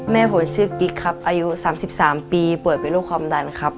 แม่ผมชื่อกิ๊กครับอายุ๓๓ปีป่วยเป็นโรคความดันครับ